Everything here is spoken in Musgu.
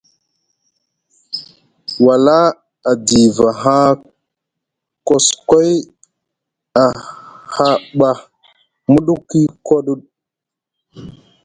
Wala a diiva haa koskoy a haɓa mudukwi koduɗ.